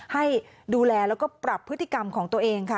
ให้ดูแลแล้วก็ปรับพฤติกรรมของตัวเองค่ะ